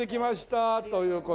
という事でね。